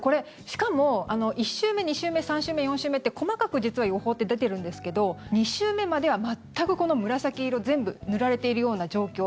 しかも、１週目、２週目３週目、４週目って細かく実は予報って出てるんですけど２週目までは全くこの紫色全部塗られているような状況。